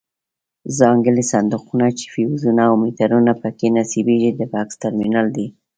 ځانګړي صندوقونه چې فیوزونه او میټرونه پکې نصبیږي د بکس ټرمینل دی.